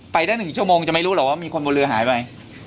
ไปได้๑ชั่วโมงจะไม่รู้หรอกว่ามีคนบนเรือหายไป